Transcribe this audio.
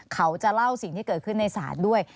เขาจะเล่าสิ่งที่เกิดขึ้นในศาลด้วย